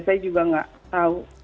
saya juga nggak tahu